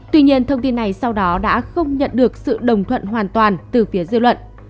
tuy nhiên thông tin này sau đó đã không nhận được sự đồng thuận hoàn toàn từ phía dư luận